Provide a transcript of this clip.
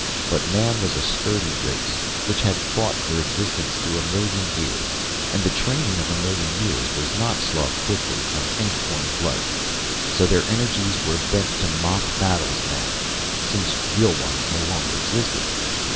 But man was a sturdy race, which had fought for existence through a million years, and the training of a million years does not slough quickly from any form of life, so their energies were bent to mock battles now, since real ones no longer existed.